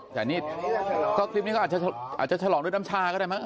แต่นี่ก็อาจจะฉลองด้วยน้ำชาก็ได้มั้ย